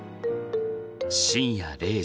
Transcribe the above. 深夜０時。